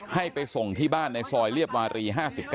ให้ไปส่งที่บ้านในซอยเรียบวารี๕๙